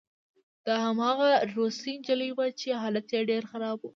دا هماغه روسۍ نجلۍ وه چې حالت یې ډېر خراب و